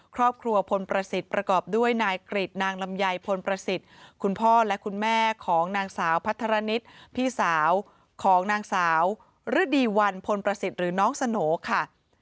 พลประสิทธิ์ประกอบด้วยนายกริจนางลำไยพลประสิทธิ์คุณพ่อและคุณแม่ของนางสาวพัฒนิษฐ์พี่สาวของนางสาวฤดีวันพลประสิทธิ์หรือน้องสโหน่ค่ะ